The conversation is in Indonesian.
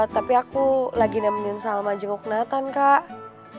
tapi aku lagi nemenin salma jenguk nathan kak